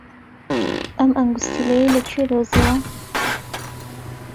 ئەم ئەنگوستیلەیەی لەکوێ دۆزییەوە؟